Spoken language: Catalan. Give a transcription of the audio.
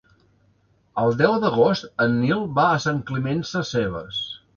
El deu d'agost en Nil va a Sant Climent Sescebes.